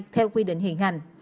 theo quy định hiện hành